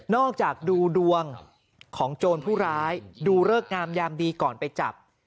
จากดูดวงของโจรผู้ร้ายดูเลิกงามยามดีก่อนไปจับ